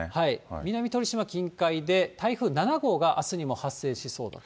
南鳥島近海で台風７号があすにも発生しそうだと。